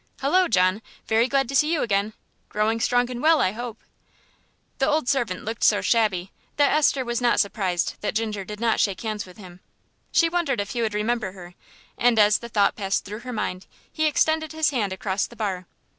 Hullo, John! very glad to see you again; growing strong and well, I hope?" The old servant looked so shabby that Esther was not surprised that Ginger did not shake hands with him. She wondered if he would remember her, and as the thought passed through her mind he extended his hand across the bar.